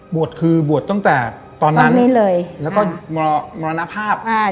บวชคือบวชตั้งแต่ตอนนั้นนี่เลยแล้วก็มรณภาพอ่า